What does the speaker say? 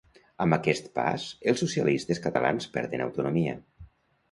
Amb aquest pas, els socialistes catalans perden autonomia.